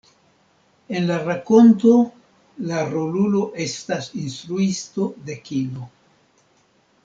En la rakonto, la rolulo estas instruisto de kino.